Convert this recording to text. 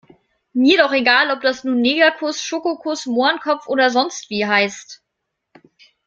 Mir doch egal, ob das nun Negerkuss, Schokokuss, Mohrenkopf oder sonstwie heißt.